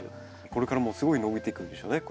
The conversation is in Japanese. これからもすごい伸びていくんでしょうね